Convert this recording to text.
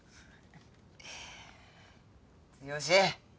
剛。